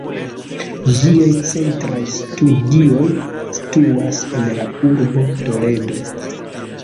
Ĝiaj centraj studioj situas en la urbo Toledo.